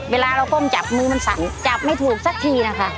เวลาเราก้มจับมือมันสั่นจับไม่ถูกสักทีนะคะ